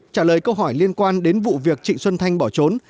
trả lời câu hỏi liên quan đến vụ việc trịnh xuân thanh bỏ trốn